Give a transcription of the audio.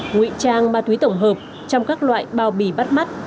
ngụy trang ma túy tổng hợp trong các loại bao bì bắt mắt